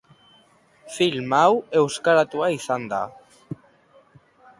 Film hau euskaratua izan da.